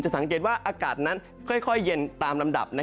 สังเกตว่าอากาศนั้นค่อยเย็นตามลำดับ